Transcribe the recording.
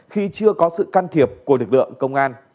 khi chưa có sự can thiệp của lực lượng công an